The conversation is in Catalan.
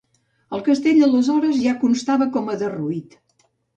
El castell aleshores ja constava com a derruït.